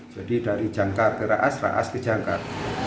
jadi dari jangkar ke raas raas ke jangkar